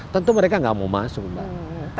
tentu mereka nggak mau masuk mbak